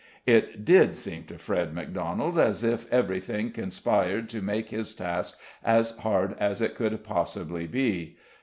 It did seem to Fred Macdonald as if everything conspired to make his task as hard as it could possibly be.